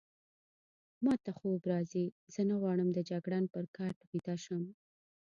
ما ته خوب راځي، زه غواړم د جګړن پر کټ ویده شم.